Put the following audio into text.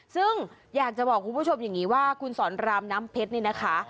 ซึ่งอยากจะบอกคุณผู้ชมอย่างนี้ว่าคุณสอนรามน้ำเพชรนี่นะคะ